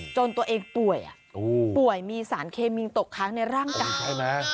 จนตัวเองป่วยป่วยมีสารเคมีตกค้างในร่างกายใช่ไหม